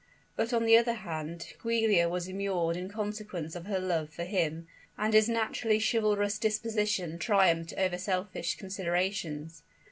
But on the other hand, Giulia was immured in consequence of her love for him; and his naturally chivalrous disposition triumphed over selfish considerations.